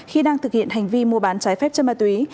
khi đang thực hiện hành vi mua bán trái phép chất ma túy